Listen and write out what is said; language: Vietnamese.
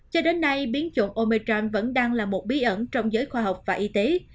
cho đến nay biến chủng omecham vẫn đang là một bí ẩn trong giới khoa học và y tế